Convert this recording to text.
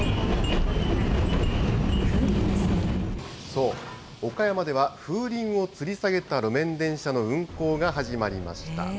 そう、岡山では、風鈴をつり下げた路面電車の運行が始まりました。